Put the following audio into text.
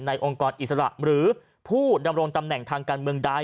องค์กรอิสระหรือผู้ดำรงตำแหน่งทางการเมืองใด